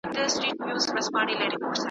د ړانده سړي تر لاسه یې راوړی ,